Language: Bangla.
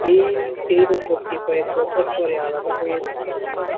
এই দম্পতি কয়েক বছর পরে আলাদা হয়ে যান।